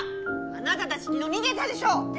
あなたたちきのうにげたでしょ！